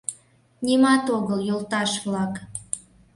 — Нимат огыл, йолташ-влак!